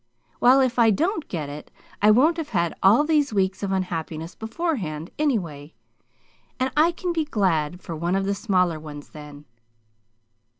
While if I don't get it I won't have had all these weeks of unhappiness beforehand, anyway; and I can be glad for one of the smaller ones, then."